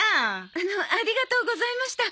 あのありがとうございました。